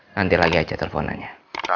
nanti lagi aja telfonannya